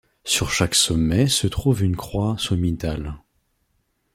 Sur chaque sommet se trouve une croix sommitale.